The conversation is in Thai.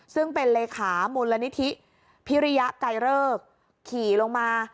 ซึ่งเป็นเลขามูลนิธิพิริยะไกรเลิกขี่ลงมา